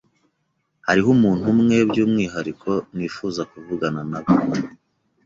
Hariho umuntu umwe byumwihariko nifuza kuvugana nabo.